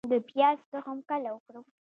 د پیاز تخم کله وکرم؟